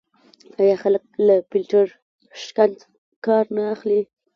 آیا خلک له فیلټر شکن کار نه اخلي؟